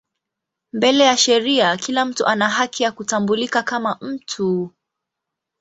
Mbele ya sheria kila mtu ana haki ya kutambulika kama mtu.